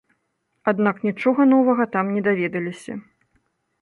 Аднак нічога новага там не даведаліся.